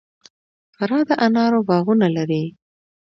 فراه د انارو باغونه لري